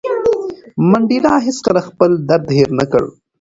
منډېلا هېڅکله خپل درد هېر نه کړ.